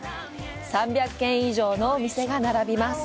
３００軒以上のお店が並びます。